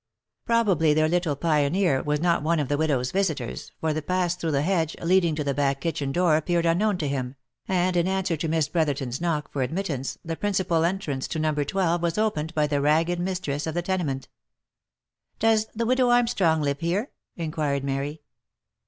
Pro bably their little pioneer was not one of the widow's visiters, for the pass through the hedge, leading to the back kitchen door appeared unknown to him, and in answer to Miss Brotherton's knock for admit tance, the principal entrance to No. 12 was opened by the ragged mistress of the tenement. " Does the widow Armstrong live here?" inquired Mary.